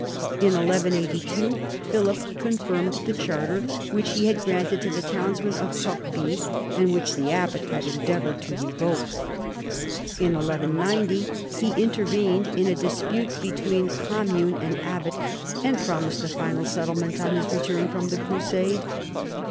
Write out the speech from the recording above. In 1182 Philip confirmed the charter which he had granted to the townsmen of Corbie, and which the abbat had endeavoured to revoke. In 1190 he intervened in a dispute between commune and abbat, and promised a final settlement on his return from the crusade.